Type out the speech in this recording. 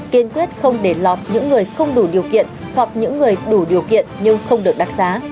kiên quyết không để lọt những người không đủ điều kiện hoặc những người đủ điều kiện nhưng không được đặc xá